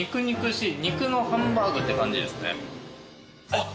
あっ！